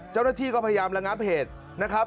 เจ้าหน้าที่ก็พยายามระงับเหตุนะครับ